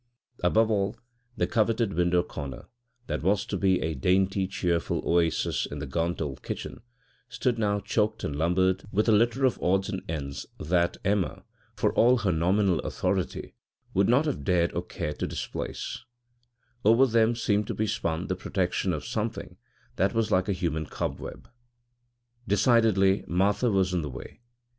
Above all, the coveted window corner, that was to be a dainty, cheerful oasis in the gaunt old kitchen, stood now choked and lumbered with a litter of odds and ends that Emma, for all her nominal authority, would not have dared or cared to displace; over them seemed to be spun the protection of something that was like a human cobweb. Decidedly Martha was in the way.